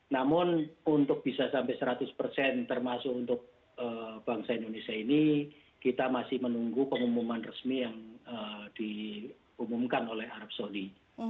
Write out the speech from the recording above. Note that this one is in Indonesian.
namun untuk bisa sampai seratus persen termasuk untuk bangsa indonesia ini kita masih menunggu pengumuman resmi yang diumumkan oleh arab saudi